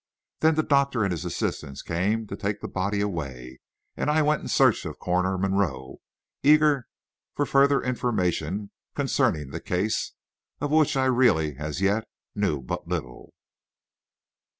Then the doctor and his assistants came to take the body away, and I went in search of Coroner Monroe, eager for further information concerning the case, of which I really, as yet, knew but little.